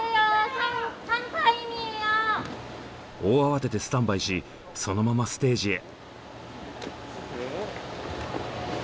大慌てでスタンバイしそのままステージへ。